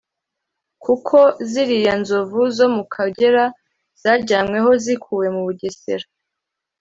kuko ziriya nzovu zo mu Kagera zajyanyweyo zikuwe mu Bugesera